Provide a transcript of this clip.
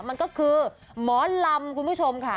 มันก็คือหมอลำคุณผู้ชมค่ะ